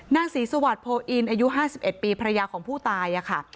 นางศรีสวัสดิโพออินอายุ๕๑ปีภรรยาของผู้ตายค่ะ